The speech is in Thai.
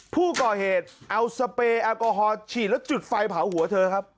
ผู้ก่อเหตุเอาสเปรยแอลกอฮอลฉีดแล้วจุดไฟเผาหัวเธอครับ